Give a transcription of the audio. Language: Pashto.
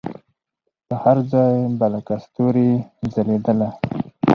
پر هر ځای به لکه ستوري ځلېدله